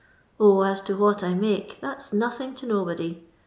0, ■I to what I make, that 's nothing to nobody.